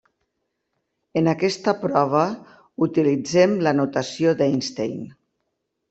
En aquesta prova utilitzem la notació d'Einstein.